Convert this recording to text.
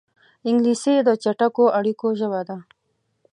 انګلیسي د چټکو اړیکو ژبه ده